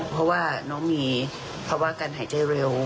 เพราะว่าน้องมีภาวะการหายใจเร็ว